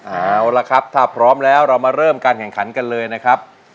เอาละครับถ้าพร้อมแล้วเรามาเริ่มการแข่งขันกันเลยนะครับ